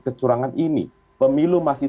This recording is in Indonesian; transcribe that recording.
kecurangan ini pemilu masih